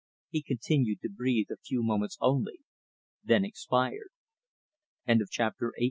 He continued to breathe a few moments only, then expired. CHAPTER XIX.